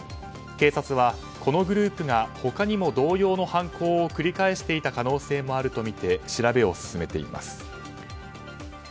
警察は、このグループが他にも同様の犯行を繰り返していた可能性もあるとみて調べを進めています。